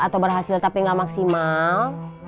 atau berhasil tapi nggak maksimal